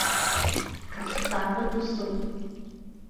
Caçapava do Sul